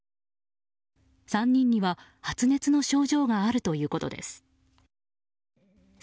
３人には発熱の症状があるということです。